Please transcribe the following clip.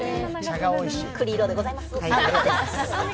栗色でございます。